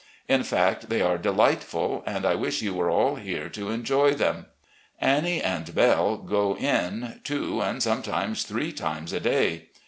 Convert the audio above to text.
In fact, they are delightful, and I wish you were all here to enjoy them. ... Annie and Belle go in two, and sometimes three, times a day.